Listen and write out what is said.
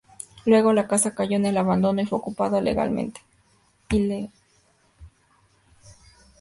Luego, la casa cayó en el abandono y fue ocupada ilegalmente.